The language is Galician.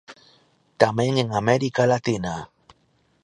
Tamén en América Latina.